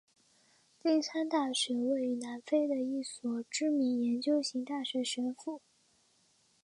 金山大学位于南非的一所知名研究型大学学府。